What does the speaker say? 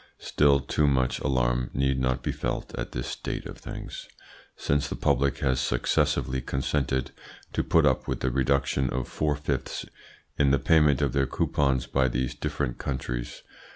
Still too much alarm need not be felt at this state of things, since the public has successively consented to put up with the reduction of four fifths in the payment of their coupons by these different countries.